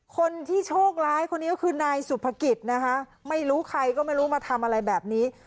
คนที่โชคร้ายคนนี้ก็คือนายสุภกิจนะคะไม่รู้ใครก็ไม่รู้มาทำอะไรแบบนี้